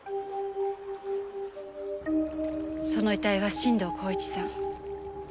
その遺体は進藤孝一さん。